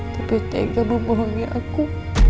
tapi tega memohonnya aku